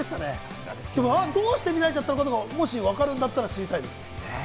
どうして乱れちゃったのかな？とか、もし分かるなら知りたいです。